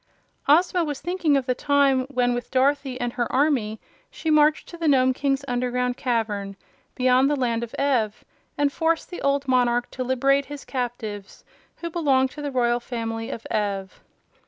Ozma was thinking of the time when with Dorothy and her army she marched to the Nome King's underground cavern, beyond the Land of Ev, and forced the old monarch to liberate his captives, who belonged to the Royal Family of Ev.